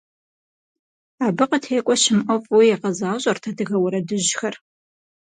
Абы къытекӀуэ щымыӀэу фӀыуэ игъэзащӀэрт адыгэ уэрэдыжьхэр.